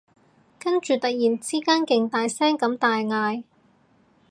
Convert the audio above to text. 跟住突然之間勁大聲咁大嗌